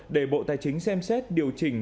để bộ tài chính xem xét điều chỉnh